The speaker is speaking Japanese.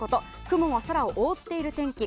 雲が空を覆っている天気。